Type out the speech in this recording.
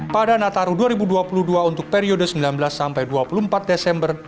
pada nataru dua ribu dua puluh dua untuk periode sembilan belas sampai dua puluh empat desember